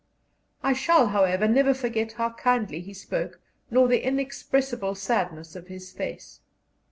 I shall, however, never forget how kindly he spoke nor the inexpressible sadness of his face.